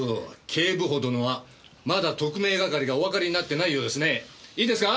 警部補殿はまだ特命係がおわかりになってないようですね。いいですか？